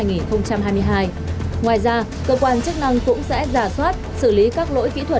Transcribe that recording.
ngoài ra cơ quan chức năng cũng sẽ giả soát xử lý các lỗi kỹ thuật